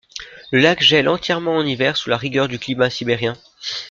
Le lac gèle entièrement en hiver sous la rigueur du climat sibérien.